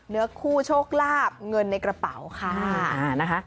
เนื้อคู่โชคลาบเงินในกระเป๋าค่ะนะคะ